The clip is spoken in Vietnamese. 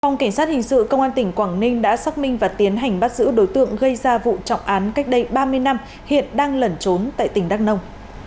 phòng cảnh sát hình sự công an tỉnh quảng ninh đã xác minh và tiến hành bắt giữ đối tượng gây ra vụ trọng án cách đây ba mươi năm hiện đang lẩn trốn tại tỉnh đắk nông